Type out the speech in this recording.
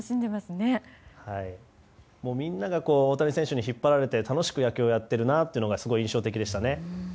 みんなが大谷選手に引っ張られて楽しく野球をやっているなというのが印象的でしたね。